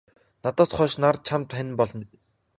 Надаас хойш нар чамд хань болно.